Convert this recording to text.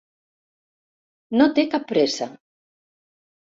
No té cap pressa.